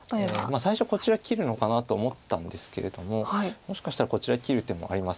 最初こちら切るのかなと思ったんですけれどももしかしたらこちら切る手もあります